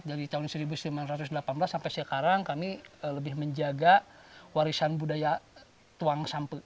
dari tahun seribu sembilan ratus delapan belas sampai sekarang kami lebih menjaga warisan budaya tuang samput